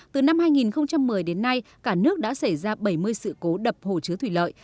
từ năm hai nghìn một mươi đến nay cả nước đã xảy ra bảy mươi sự cố đập hồ chứa thủy lợi